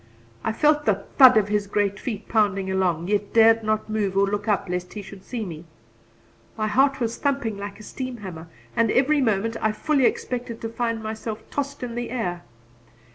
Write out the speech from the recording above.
I felt the thud of his great feet pounding along, yet dared not move or look up lest he should see me. My heart was thumping like a steam hammer, and every moment I fully expected to find myself tossed into the air.